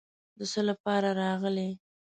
د څه لپاره راغلې.